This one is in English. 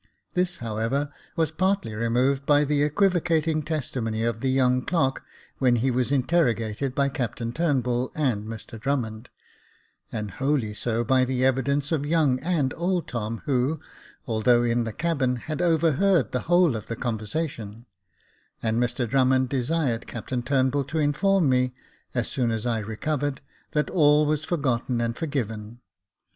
This, however, was partly removed by the Jacob Faithful 187 equivocating testimony of the young clerk, when he was interrogated by Captain Turnbull and Mr Drummond ; and wholly so by the evidence of young and old Tom, who, although in the cabin, had overheard the whole of the conversation ; and Mr Drummond desired Captain Turnbull to inform me, as soon as I recovered, that all was forgotten and forgiven.